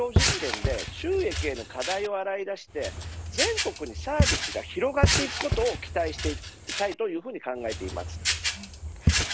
今回の実証実験で収益への課題を洗い出して全国にサービスが広がっていくことを期待したいと考えています。